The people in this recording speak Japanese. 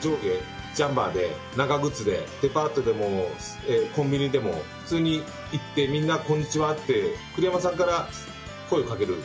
上下ジャンパーで長靴で、デパートでもコンビニでも、普通に行って、みんなこんにちはって、栗山さんから声をかける。